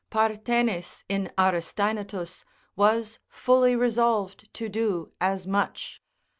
Parthenis in Aristaenetus was fully resolved to do as much.